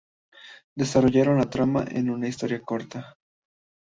Desarrollaron la trama en una historia corta.